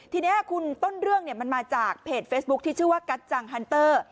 ทีนี้คุณต้นเรื่องมันมาจากเพจเฟซบุ๊คที่ชื่อว่ากัจจังฮันเตอร์